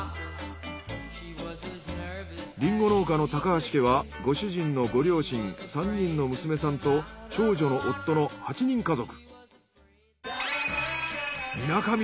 リンゴ農家の橋家はご主人のご両親３人の娘さんと長女の夫の８人家族。